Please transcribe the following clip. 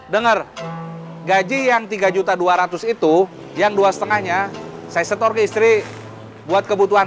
dengar gaji yang tiga juta dua ratus itu yang dua limanya saya setor ke istri buat kebutuhan